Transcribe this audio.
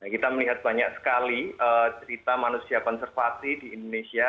kita melihat banyak sekali cerita manusia konservasi di indonesia